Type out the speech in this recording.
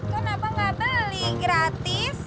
kan abang gak beli gratis